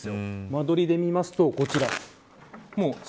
間取りで見るとこちら。